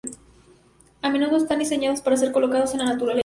A menudo están diseñados para ser colocados en la naturaleza.